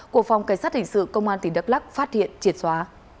của phòng cảnh sát hình sự công an tỉnh đắk lắc phát hiện triệt xóa